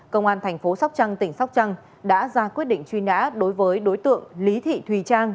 công an thành phố sóc trăng tỉnh sóc trăng đã ra quyết định truy nã đối với đối tượng lý thị thùy trang